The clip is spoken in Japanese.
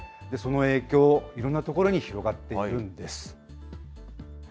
その影響、いろんなところに広がっているんです。